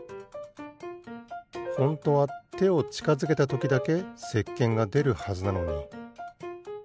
ホントはてをちかづけたときだけせっけんがでるはずなのに。